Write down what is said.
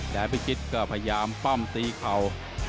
แดดภิกฤทธิ์ก็พยายามปั้มตีเขา